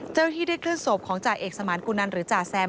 เจ้าหน้าที่ได้เคลื่อนศพของจ่าเอกสมานกุนันหรือจ่าแซม